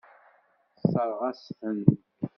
Tessṛeɣ-as-ten.